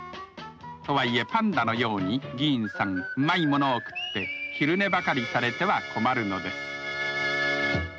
とはいえパンダのように議員さんうまいものを食って昼寝ばかりされては困るのです。